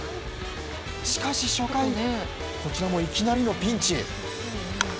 しかし初回こちらもいきなりのピンチ。